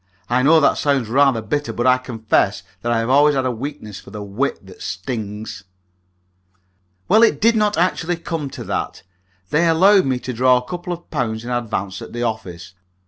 I know that sounds rather bitter, but I confess that I have always had a weakness for the wit that stings. Well, it did not actually come to that. They allowed me to draw a couple of pounds in advance at the office.